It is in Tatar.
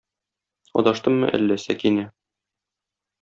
Адаштыммы әллә, Сәкинә?